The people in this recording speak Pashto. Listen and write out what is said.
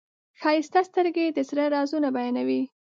ښایسته سترګې د زړه رازونه بیانوي.